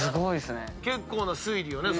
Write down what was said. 結構な推理をね。